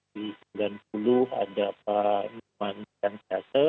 di sembilan puluh ada pak lukman kansiase